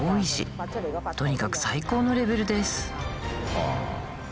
はあ！